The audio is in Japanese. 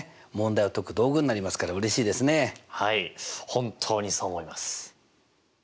本当にそう思います。